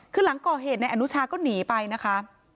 คือหลังก่อเหตุในอนุชาก็หนีไปนะคะ